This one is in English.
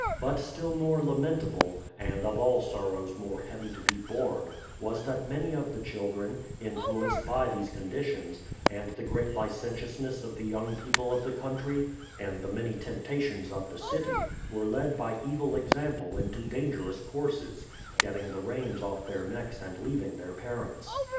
But still more lamentable, and of all sorrows most heavy to be borne, was that many of the children, influenced by these conditions, and the great licentiousness of the young people of the country, and the many temptations of the city, were led by evil example into dangerous courses, getting the reins off their necks and leaving their parents.